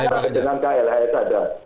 dengan klhs ada